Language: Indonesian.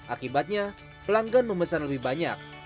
akibatnya pelanggan memesan lebih banyak